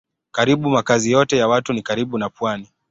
Karibu makazi yote ya watu ni karibu na pwani.